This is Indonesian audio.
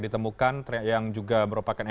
ditemukan yang juga merupakan